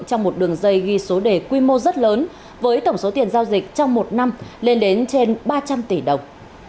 trong một đường dây ghi số đề quy mô rất lớn với tổng số tiền giao dịch trong một năm lên đến trên ba trăm linh tỷ đồng